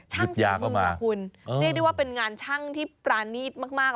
ช่างของคุณนี่ได้ว่าเป็นงานช่างที่ปรานีตมาก